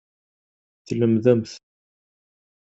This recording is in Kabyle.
Tlemdemt.